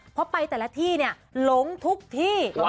เพราะไปแต่ละที่หลงทุกที่